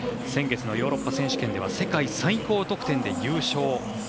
先月のヨーロッパ選手権では世界最高得点で優勝。